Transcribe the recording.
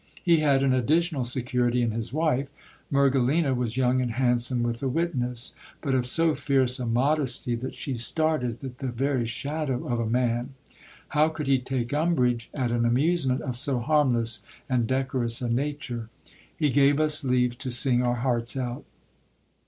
He had an additional security in his wife. Mergelina was young and handsome with a witness ; but of so fierce a modesty, that she started at the very shadow of a man. How could he take umbrage at an amusement of so harmless and decorous a nature ? He gave us leave to sing our hearts out.